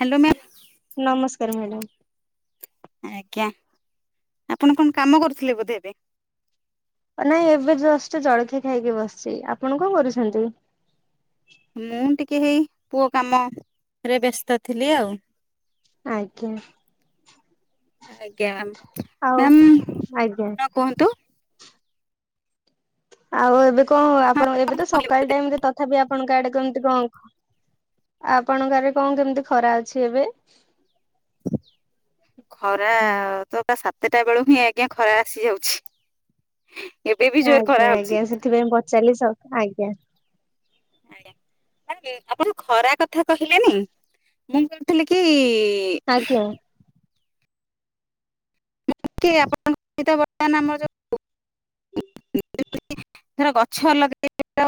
Hello ma'am [unintelligible] madam ଆଜ୍ଞା ଆପଣ କଣ କାମ କରୁଥିଲେ ବୋଧେ ଏବେ ନାଇଁ ଏବେେ ଜଳଖିଆ ଖାଇକି ବସିଛି ଆପଣ କଣ କରୁଛନ୍ତି ମୁଁ ଟ କେହି ପୁଅ କାମ ରେ ବ୍ୟସ୍ତ ଥିଲି ଆଉ ଆଜ୍ଞା ଆଜ୍ଞା ଆଉ ମ ଆଜ୍ଞା ହ କୁହନ୍ତୁ? ଆଉ ଏବେ କଣ ଆପଣ ଏବେ ତ ସକାଳ ଟାଇମ ତଥାପି ଆପଣଙ୍କ ଆଡେ କେମତି କଣ ଆପଣଙ୍କ ଆଡରେ କଣ କେମିତି ଖରା ଅଛି ଏବେ ଖରା ତ ସାତଟା ବେଳକୁ ହିଁ ଆଜ୍ଞା ଖରା ଆସିଯାଉଛି। ଆଜ୍ଞା ଆଜ୍ଞା ସେଥିପାଇଁ ପଚାଲିଶ ଆଜ୍ଞା ଆଜ୍ଞା ମ ଆପଣ ଖରା କଥା କହିଲେନି ମୁଁ କହୁଥିଲି କି? ଆଜ୍ଞା ଟ ଆପଣଙ୍କ ବର୍ତ୍ତମାନ ଆମର ଯଉର ଗଛ ଲଗେଇ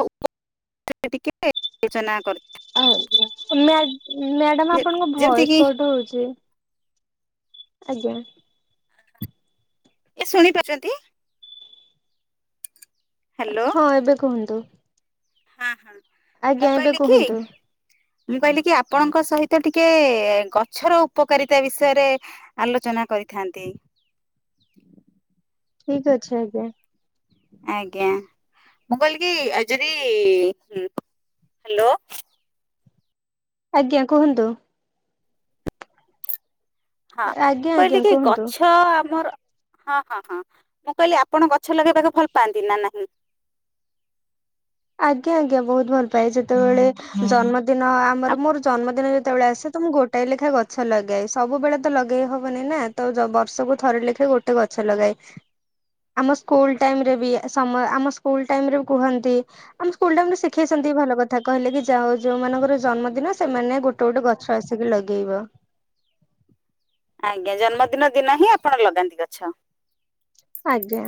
ଟିକେ ଯୋଜନା କର ଆଉ ମ୍ୟାଡାମ ଆପଣଙ୍କ ଯେମିତି କିି ଭଏସ ଏ କଠ ହଉଛି ଆଜ୍ଞା ଏ ଶୁଣି ପାରୁଛନ୍ତି। ହ୍ୟାଲୋ ହଁ ଏବେ କୁହନ୍ତୁ? ହଁ ହଁ ମୁଁ ଆଜ୍ଞା ଏବେ କହିଲି କି କୁହନ୍ତୁ। ମୁଁ କହିଲି କି ଆପଣଙ୍କ ସହିତ ଟିକେ ଗଛର ଉପକାରିତା ବିଷୟରେ ଆଲୋଚନା କରିଥାନ୍ତି। ଠିକ ଅଛ ଆଜ୍ଞା ଆଜ୍ଞା ମୁ କିଲ କି ଆଜରି ହ୍ୟାଲୋ ଆଜ୍ଞା କୁହନ୍ତୁ। ହଁ ଆଜ୍ଞା ମୁଁ କହିଲି ଆଜ୍ଞା କି କୁହନ୍ତୁ। ଗଛ ଆମର ହଁ ହଁ ହଁ ମୁଁ କହିଲି ଆପଣ ଗଛ ଲଗେଇବାକୁ ଭଲ ପାଆନ୍ତି ନା ନାହିଁ। ଆଜ୍ଞା ଆଜ୍ଞା ବହୁତ ଭଲ ପାାଏ ଯେତେବେଳେ ଜନ୍ମଦିନ ଆମର ମୋର ଜନ୍ମଦିନ ଯେତେବେଳେ ଆସେ ତ ମୁଁ ଗୋଟାଏ ଲେଖାଏଁ ଗଛ ଲଗାଏ ସବୁବେଳେ ତ ଲଗେଇ ହବନି ନା ତ ବର୍ଷକୁ ଥରେ ଲେଖାଏ ଗୋଟେ ଗଛ ଲଗାଏ ଆମ ସ୍କୁଲ ଟାଇମରେ ବି ସମ ଆମ ସ୍କୁଲ ଟାଇମରେେ ବି କୁହନ୍ତି? ଆମ ସ୍କୁଲ ଟମ ଶିଖେଇଛନ୍ତି ଭଲ କଥା କହିଲେ କି ଯାାଉ ଯୋଉ ମଙ୍କର ଜନ୍ମଦିନ ସେମାନେ ଗୋଟେ ଗୋଟେ ଗଛ ଆସିକି ଲଗେଇବ ଆଜ୍ଞା ଜନ୍ମଦିନ ଦିନ ହିଁ ଆପଣ ଲଗାନ୍ତି ଗଛ ଆଜ୍ଞା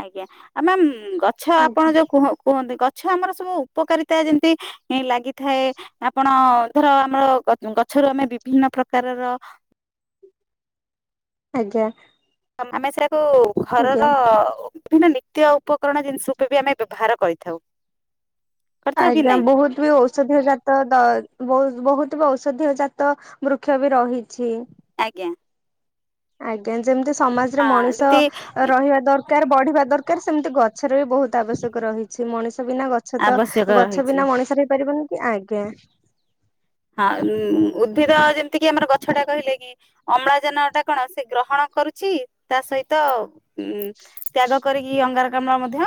ଆଜ୍ଞା ଆ ମ୍ୟମ୍ ଗଛ ଆଜ୍ଞା ଆପଣ ଯୋଉ କୁହ କୁହନ୍ତି ଗଛ ଗଛ ଆମର ସବୁ ଉପକାରିତା ଯେମତି ଲାଗିଥାଏ ଆପଣ ଧର ଆମର ଗଛରୁ ଆମେ ବିଭିନ୍ନ ପ୍ରକାରର ଆଜ୍ଞା ଆମେ ସେ ତୁ ଘରର ବିଭିନ୍ନ ନିତ୍ୟ ଉପକରଣ ଜିନିଷ ଉପରେ ବି ଆମେ ବ୍ୟବହାର କରିଥାଉ କରିଥାଉ କି ଆଜ୍ଞା ନାଇଁ ବହୁତ ବି ଔଷଧି ଜାତ ବହୁ ବହୁତ ଔଷଧୀୟ ଜାତ ବୃକ୍ଷ ବି ରହିଛି। ଆଜ୍ଞା। ଆଜ୍ଞା ଯେମିତି ସମାଜରେ ହଁ ମଣିଷ ଯେମିତି ରହିବା ଦରକାର ବଢିବା ଦରକାର ପ୍ରକାର ସେମିତି ଗଛର ବି ବହୁତ ଆବଶ୍ୟକ ରହିଛି ମଣିଷ ଗଛ ବିନା ଗଛ ତ ଆବଶ୍ୟକ ଗଛ ରହିଛି ବିନା ମଣିଷ ହେଇପାରିବନି କି ଆଜ୍ଞା। ଏତିକି ଆମର ଗଛ ଟା କହିଲେ କି ଅମ୍ଳଜାନ ଟା କଣ ସେ ଗ୍ରହଣ କରୁଛି ତା ସହିତ ହୁଁ ତ୍ୟାଗ କରିକି ଅଙ୍ଗାରକାମ୍ଳ ମଧ୍ୟ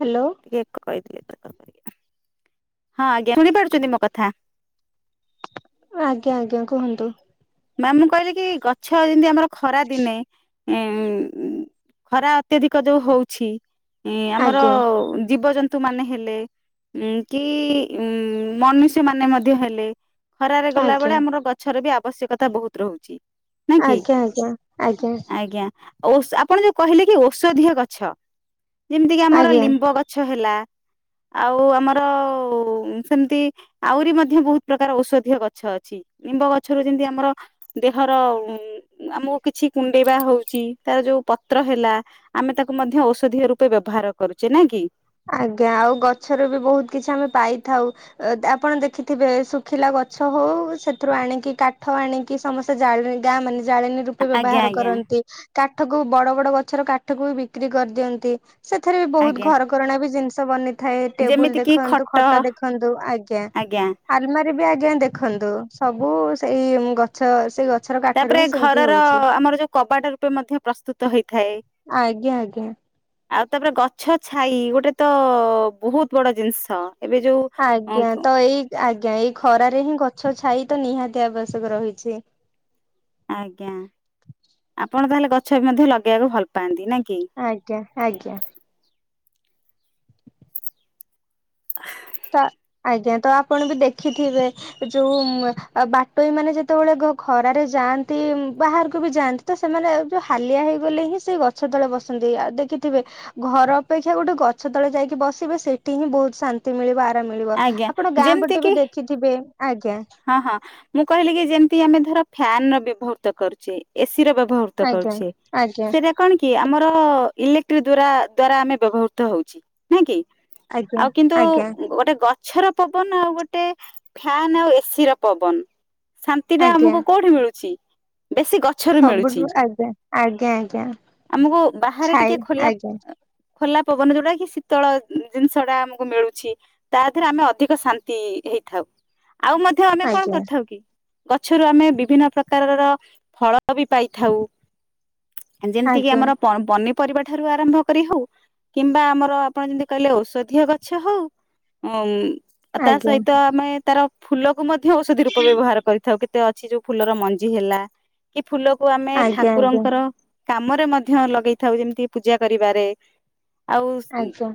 ହ୍ୟାଲୋ କିଏ କହିଲେ? ହଁ ଆଜ୍ଞା ଶୁଣି ପାରୁଛନ୍ତି ମୋ କଥା? ଆଜ୍ଞା ଆଜ୍ଞା କୁହନ୍ତୁ। ମାମୁଁ କହିଲେ କି ଗଛ ଯେମିତି ଆମର ଖରା ଦିନେ ଖରା ଅତ୍ୟଧିକ ଯୋଉ ହଉଛି ଇଁ ଆମର ଆଜ୍ଞା ଜୀବଜନ୍ତୁ ନ୍ତୁ ମାନେ ହେଲେ କି ଉ ମନୁଷ୍ୟ ମାନେ ମଧ୍ୟ ହେଲେ ଖରାରେ ଆଜ୍ଞା ଗଲାବେଳେ ଆମର ଗଛରେ ବି ଆ ଆବ୍ୟକତା ବହୁତ ରହୁଛି। ଆଜ୍ଞା ଆଜ୍ଞା ଆଜ୍ଞା। ଆଜ୍ଞା ଆପଣ ଯୋଉ କହିଲେ କି ଔଷଧୀୟ ଗଛ ଯେମିତି କିି ଆମର ଆଜ୍ଞା ଲିମ୍ବ ଗଛ ହେଲା ଆଉ ଆମର ସେମିତି ଆହୁରି ମଧ୍ୟ ବହୁତ ପ୍ରକାର ଔଷଧୀୟ ଗଛ ଅଛି ନିମ୍ବ ଗଛରୁ ଯେମତି ଆମର ଦେହର ଆମକୁ କିଛି କୁଣ୍ଡେଇବା ହଉଛି ତାର ଯୋଉ ପତ୍ର ହେଲା ଆମେ ତାକୁ ମଧ୍ୟ ଔଷଧୀୟ ରୂପେ ବ୍ୟବହାର କରୁଛେ ନା କି। ଆଜ୍ଞା ଆଉ ଗଛରେ ବି ବହୁତ କିଛି ଆମେ ପାଇଥାଉ ଆପଣ ଦେଖିଥିବେ ଶୁଖିଲା ଗଛ ହଉ ସେଥିରୁ ଆଣିକି କାଠ ଆଣିକି ସମସ୍ତେ ଜା ଗାଁ ମାନେ ଜାଳେଣୀ ରୂପେ ଆଜ୍ଞା ବ୍ୟବହାର ଆଜ୍ଞା କରନ୍ତି। କାଠକୁ ବଡ ବଡ ଗଛର କାଠକୁ ବି ବିକ୍ରି କରିଦିଅନ୍ତି। ସେଥିରେ ବି ଆଜ୍ଞା ବହୁତ ଘର ଜିନିଷ ବନେଇି ଥାଏ ଟେବୁଲ ଯେମିତି କିି ଦେଖନ୍ତୁ ଖଟ ଦେଖନ୍ତୁ ଆଜ୍ଞା ଆଲମାରୀ ବି ଆଜ୍ଞା ଦେଖନ୍ତୁ ସବୁ ସେଇ ଗଛ ସେ ଗ ତାପରେ ଘରର ଆମର ଯୋଉ କବାଟ ରୂପେ ମଧ୍ୟ ପ୍ରସ୍ତୁତ ହେଇଥାଏ। ଆଜ୍ଞା ଆଜ୍ଞା। ଆଉ ତାପରେ ଗଛ ଛାଇ ଗୋଟେ ତ ବହୁତ ବଡ ଜିନିଷ ଏବେ ଯୋଉ ଆଜ୍ଞା ତ ଏଇ ଆଜ୍ଞା ଏଇ ଖରାରେ ହିଁ ଗଛ ଗଛ ଛାଇ ତ ନିହାତି ଆବଶ୍ୟକ ରହିଛି। ଆଜ୍ଞା ଆପଣ ତାହେଲେ ଗଛ ବି ମଧ୍ୟ ଲଗେଇବାକୁ ଭଲ ପାଆନ୍ତି ନାଇଁ କି? ଆଜ୍ଞା ଆଜ୍ଞା। ତ ଆଜ୍ଞା ତ ଆପଣ ବି ଦେଖିଥିବେ ଯୋଉ ବାଟୋଇ ମାନେ ଯେତେବେଳେ ଖରାରେ ଯାଆନ୍ତି ବାହାରକୁ ବି ଯାଆନ୍ତି ତ ସେମାନେ ଯୋଉ ହାଲିଆ ହେଇଗଲେ ହିଁ ସେଇ ଗଛ ତଳେ ବସନ୍ତି ଆଉ ଦେଖିଥିବେ ଘର ଅପେକ୍ଷା ଗୋଟେ ଗଛ ତଳେ ଯାଇକି ବସିବେ ସେଠି ହିଁ ବହୁତ ଶାନ୍ତି ନ୍ତି ମିଳିବ ଆ ମିଳିବ ଆଜ୍ଞା ଆପଣ ଗାଁ ଯେମିତି ପଟେ ବି କିି ଦେଖିଥିବେ। ଆଜ୍ଞା ହଁ ହଁ ମୁଁ କହିଲି କି ଯେମିତି ଆମେ ଧର ଫ୍ୟାନ ର ବ୍ୟବହୃତ କରୁଛେ ଏସି ର ବ୍ୟବ ଉପହୃତ ଆଜ୍ଞା କରୁଛି ଆଜ୍ଞା ସେଇଟା କଣ କି ଆମର? ଇଲେକ୍ଟ୍ରିକ ଦ୍ଵାରା ଦ୍ଵାରା ଆମେ ବ୍ୟବହୃତ ହଉଛେ ନାଇଁ କି? ଆଜ୍ଞା ଆଉ କିନ୍ତୁ ଆଜ୍ଞା ଗୋଟେ ଗଛ ଗଛର ପବନ ଆଉ ଗୋଟେ ଫ୍ୟାନ ଆଉ ସିରପବନ ଶାନ୍ତି ଟା ଆଜ୍ଞା ଆମକୁ କୋଉଠି ମିଳୁଛି? ବେଶୀ ଗଛରୁ ମିଳୁଛି ସବୁଠୁ ଆଜ୍ଞା ଆଜ୍ଞା ଆଜ୍ଞା ଆମକୁ ବାହାରେ ଟିକେ ଛାଇ ଖୋଲା ଆଜ୍ଞା। ଖୋଲା ପବନ ଯୋଉଟା କି ଶୀତଳ ଜିନିଷ ଟା ଆମକୁ ମିଳୁଛି ତା ଦେହରେ ଆମେ ଅଧିକ ଶାନ୍ତି ହେଇଥାଉ। ଆଉ ମଧ୍ୟ ଆମେ କଣ ଆଜ୍ଞା କରିଥାଉ କି? ଗଛରୁ ଆମେ ବିଭିନ୍ନ ପ୍ରକାରର ଫଳ ବି ପାଇଥାଉ। ଯେମିତି କିି ଆଜ୍ଞା ଆମରି ପରିବା ଠାରୁ ଆରମ୍ଭ କରି ହଉ କିମ୍ବା ଆମର ଆପଣ ଯେମିତି କହିଲେ ଔଷଧୀୟ ଗଛ ହଉ ଆ ତା ଆଜ୍ଞା ସହିତ ଆମେ [unintelligible] ଫୁ ମଧ୍ୟ ଔଷଧି ରୂପ ବ୍ୟବହାର କରିଥାଉ। ମତେ ଅଛି ଯୋଉ ଫୁଲର ମଞ୍ଜି ହେଲା। କି ଫୁଲକୁ ଆମେ ଆଜ୍ଞା ଆଜ୍ଞା ଠାକୁରଙ୍କର କାମରେ ମଧ୍ୟ ଲଗେଇଥାଉ ଯେମିତି ପୂଜା କରିବାରେ ଆଉ ଆଜ୍ଞା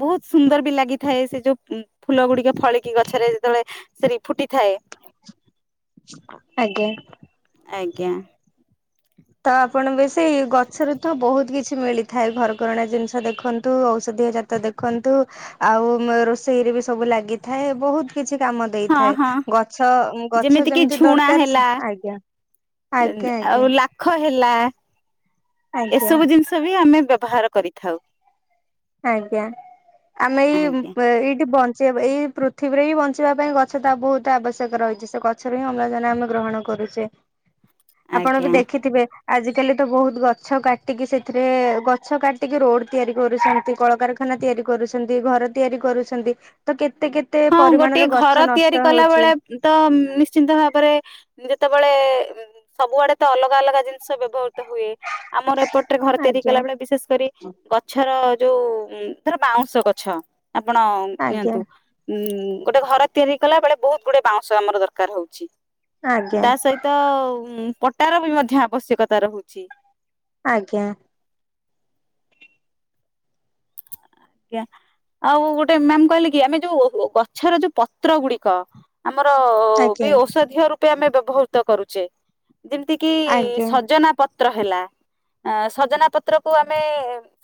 ବହୁତ ସୁନ୍ଦର ବି ଲାଗିଥାଏ ସେ ଯୋଉ ଫୁଲ ଗୁଡିକ ଫଳିକି ଗଛରେ ଯେତେବେଳେ ସେରୀ ଫୁଟିଥାଏ। ଆଜ୍ଞା। ଆଜ୍ଞା। ତ ଆପଣ ବେଶୀ ଗଛରେ ତ ବହୁତ କିଛି ମିଳିଥାଏ ଘରକରଣା ଜିନିଷ ଦେଖନ୍ତୁ ଔଷଧୀୟ ଜାତ ଦେଖନ୍ତୁ ଆଉ ରୋଷେଇରେ ବି ସବୁ ଲାଗିଥାଏ ବହୁତ କିଛି କାମ ହଁ ଦେଇଥାଏ ହଁ ଗଛ ଗଛ କିି ଯେମିତି ଝୁଣା ଦରକାର ହେଲା ଆଜ୍ଞା ଆଜ୍ଞା ଆଜ୍ଞା। ଖ ହେଲା ଆଜ୍ଞା ଏସବୁ ଜିନିଷ ବି ଆମେ ବ୍ୟବହାର କରିଥାଉ ଆଜ୍ଞା ଆମେ ଏଇ ଆଜ୍ଞା ଏଇଠି ବନ୍ଦ ସେ ଏଇ ପୃଥିବୀରେ ହିଁ ବଞ୍ଚିବା ପାଇଁ ଗଛ ତା ବହୁତ ଆବଶ୍ୟକ ରହିଛି ସେ ଗଛରୁ ହିଁ ଅମଜନେ ଆମେ ଗ୍ରହଣ କରୁଛେ ଆପଣ ବି ଆଜ୍ଞା ଦେଖିଥିବେ ଆଜି କଲି ତ ବହୁତ ଗଛ କାଟିକି ସେଥିରେ ଗଛ କାଟିକି ରୋଡ ତିଆରି କରୁଛନ୍ତି, କଳକାରଖାନା ତିଆରି କରୁଛନ୍ତି ଘର ତିଆରି କରୁଛନ୍ତି ତ କେତେ କେତେ ହଁ ଗୋଟେ ପରିମାଣର ଗଛ ଘର ନଷ୍ଟ ତିଆରି କଲା ହଉଛି ବେଳେ ତ ନିଶ୍ଚିନ୍ତ ଭାବରେ ଯେତେବେଳେ ସବୁଆଡେ ତ ଅଲଗା ଅଲଗା ଜିନିଷ ବ୍ୟବହ ହୁଏ ଆମର ଏପଟରେ ଘର ତିଆରି ଆଜ୍ଞା କଲାବେଳେ ବିଶେଷ କରି ଗଛର ଯୋଉ ଧର ବାଉଁଶ ଗଛ, ଆପଣ ଆଜ୍ଞା ନିଅନ୍ତୁ, ଉୁଁ ଗୋଟେ ଘର ତିଆରି କଲା ବେଳେ ବହୁତ ଗୁଡେ ବାଉଁଶ ଆମର ଦରକାର ହଉଛି, ଆଜ୍ଞା ତା ସହିତ ପ [inaudible] ତାର ବି ମଧ୍ୟ ଆବଶ୍ୟକତା ରହୁଛି, ଆଜ୍ଞା ଆଜ୍ଞା ଆଉ ଗୋଟେ ମ୍ୟାମ କହିଲେ କି ଆମେ ଯୋଉ ଗଛର ଯୋଉ ପତ୍ର ଗୁଡିକ ଆମର ବି ଆଜ୍ଞା ଔଷଧିୀୟ ର [inaudible] ଆମେ ବ୍ୟବହୃତ କରୁଛେ, ଯେମିତି କିି ଆଜ୍ଞା ସଜନା ପ ପତ୍ର ହେଲା ସଜନା ପତ୍ରକୁୁ ଆମେ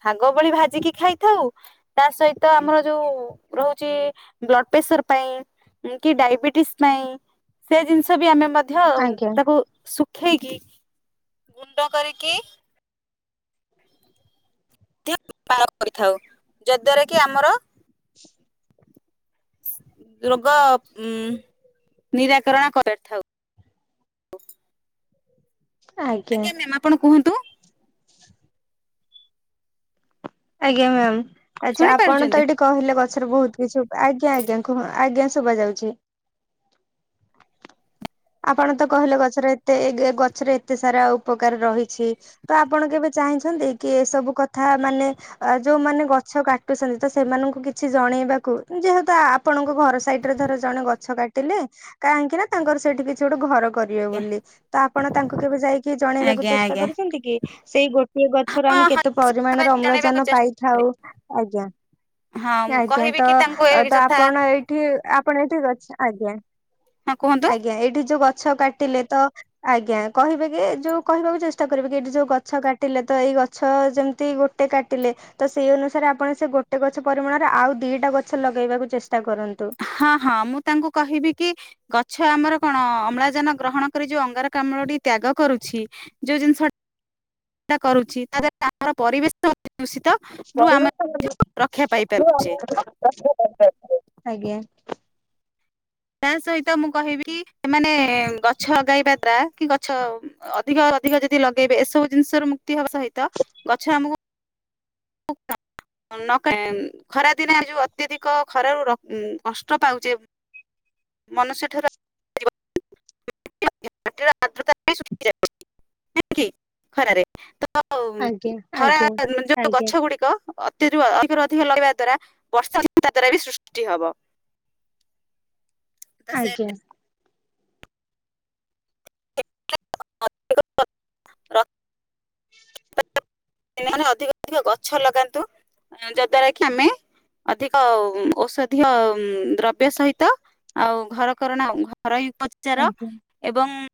ଶଙ୍ଗ ଭଳି ଭାଜିକି ଖାଇଥାଉ ତା ସହିତ ଆମର ଯୋଉ ରହୁଛି ବ୍ଲଡ ପ୍ରେସର ପାଇଁ କି ଡାଇବେଟିସ ପାଇଁ ସେ ଜିନିଷ ବି ଆମେ ମଧ୍ୟ ଆଜ୍ଞା ତାକୁ ଉଠେଇକି ଗୁଣ୍ଡ କରିକି ମଧ୍ୟ ବାର କରିଥାଉ ଯଦ୍ଵାରା କି ଆମର ରୋଗ ଉ ନିରାକରଣ କରିଥାଉ ଆଜ୍ଞା ମ୍ୟମ୍ ଆପଣ କୁହନ୍ତୁ, ଆଜ୍ଞା ମ୍ୟମ୍ ଆଚ୍ଛା ଶୁଣି ଆପଣ ତ ପାରୁଛନ୍ତି ଏଇଠି କହିଲେ କ ବହୁତ କିଛି ଆଜ୍ଞା ଆଜ୍ଞା ଆଜ୍ଞା ଶୁଭ ଯାଉଛି, ଆପଣ ତ କହିଲେ ଗଛର ଏତେ ଏ ଗଛରେ ଏତେ ସାରା ଉପକାର ରହିଛି ତ ଆପଣ କେବେ ଚାହିଁଛନ୍ତି କି ଏସବୁ କଥା ମାନେ ଯୋଉମାନୋନ ଗଛ କାଟୁଛନ୍ତି ତ ସେମାନଙ୍କୁ କିଛି ଜଣେଇବାକୁ ଯେହେତୁ ଆପଣଙ୍କ ଘର ସାଇଡ ରେ ଧର ଜଣେ ଗଛ କାଟିଲେ କାହିଁକି ନା ତାଙ୍କର ସେଠିଛି ଗୋଟେର କରିବେ ଆଜ୍ଞା ବୋଲି ତ ଆପଣ ତାଙ୍କୁ କେବେ ଯାଇକି ଜଣେଇବାକୁ ଆଜ୍ଞା ଚେଷ୍ଟା ଆଜ୍ଞା କରିଛନ୍ତି କି ସେଇ ଗୋଟିଏ ଗଛରୁ ହଁ ଆମେ କେତେ ହଁ ପରିମାଣର ଜଣେଇବାକୁ ଅମ୍ଳଜାନ ଚେଷ୍ଟା ପାଇଥାଉ ଆଜ୍ଞା ହଁ ମୁଁ ଆଜ୍ଞା କହିବି ତ କି ତାଙ୍କୁ ଏ ତ ଯଥା ଆପଣ ଏଇଠି ଆପଣ ଏଇଠି ଗ ଆଜ୍ଞା। ହଁ କୁହନ୍ତୁ ଆଜ୍ଞା ଏଇି ଯୋଉ ଗଛ କାଟିଲେ ତ ଆଜ୍ଞା କହିବେ କି ଯୋଉ କହିବାକୁ ଚେଷ୍ଟା କରିବେ କି ଏଠି ଯୋଉ ଗଛ କାଟିଲେ ତ ଏଇ ଗଛ ଯେମିତି ଗୋଟେ କାଟିଲେ ତ ସେଇ ଅନୁସାରେ ଆପଣ ସେ ଗୋଟେ ଗଛ ପରିମାଣରେ ଆଉ ଦିଟା ଗଛ ଲଗେଇବାକୁ ଚେଷ୍ଟା କର ହଁ ହଁ ମୁଁ ତାଙ୍କୁ କହିବି କି ଗଛ ଆମର କଣ ଅମ୍ଳଜାନ ଗ୍ରହଣ କରି ଯୋଉ ଅଙ୍ଗାରକାମ୍ଳ ଟି ତ୍ୟାଗ କରୁଛି ଯୋଉ ଜିନିଷ କରୁଛି ତା ଦଵାରା ଆମର ପରିବେଶ ଦୂଷିତ ରୁ ଆମେ ରକ୍ଷା ପାଇପାରୁଛେ [unintelligible] ଆଜ୍ଞା। ତା ସହିତ ମୁଁ କହିବି ସେମାନେ ଗଛ ଲଗେଇବା ଦ୍ଵାରା କି ଗଛ ଅଧିକ ଅଧିକ ଯଦି ଲଗେଇବେ ଏସବୁ ଜିନିଷରୁ ମୁକ୍ତି ହବା ସହିତ ଗଛ ଆମକୁ ଖରା ଦିନେ ଯୋଉ ଅତ୍ୟଧିକ ଖରାରୁ କଷ୍ଟ ପାଉଛେ ମନୁଷ୍ୟ ଠାରୁ [unintelligible] ଖରାରେ ତ ଆଜ୍ଞା ଆଜ୍ଞା ଆଜ୍ଞା ଖରା ଯୋଉ ଆଜ୍ଞା ଗଛ ଗୁଡିକ ଅତି। ଅଧିକ ଲଗେଇବା ଦ୍ଵାରା ବର୍ଷା ତା ଦ୍ୱାରା ବି ସୃଷ୍ଟି ହବ। ତ ସେ ଆଜ୍ଞା। [unintelligible] ଦିନ ଅଧିକ ଅଧିକ ଗଛ ଲଗାନ୍ତୁ ଯଦ୍ଵାରା କି ଆମେ ଅଧିକ ଔଷଧୀୟ ଦ୍ରବ୍ୟ ସହିତ ଆଉ ଘରକରଣା ଘର। ଉପଚାର ଆଜ୍ଞା। ଏବଂ